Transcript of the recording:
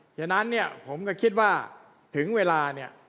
ฉะนั้นเนี่ยผมก็คิดว่าถึงเวลาเนี่ย